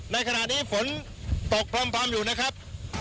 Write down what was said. ในขณะนี้ฝนตกพร่ำอยู่นะครับ